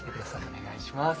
お願いします。